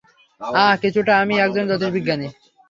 আঃ, কিছুটা, আমি একজন জ্যোতির্বিজ্ঞানী।